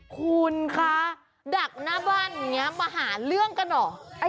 คุณคะดักหน้าบ้านอย่างนี้มาหาเรื่องกันเหรอ